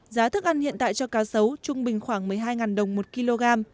giá thức ăn hiện tại cho cá sấu trung bình khoảng một mươi hai đồng một kg